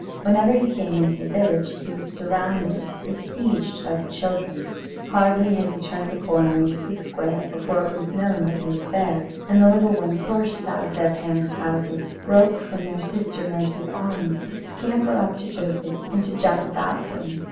Whenever he came into the village, he was surrounded, besieged by the children. Hardly had he turned the corner into the square, before it was known that he was there, and the little ones burst out of their parents' houses, broke from their sister nurse's arms, to scamper up to Joseph and to jump about him.